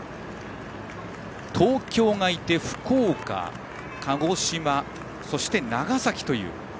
東京がいて、福岡、鹿児島そして長崎という。